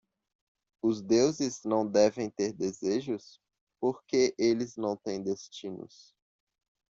Os deuses não devem ter desejos? porque eles não têm destinos.